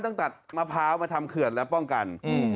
ตัดมะพร้าวมาทำเขื่อนแล้วป้องกัน